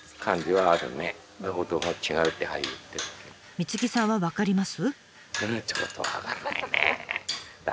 貢さんは分かります？